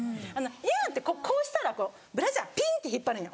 「嫌！」ってこうしたらブラジャーピンって引っ張るの。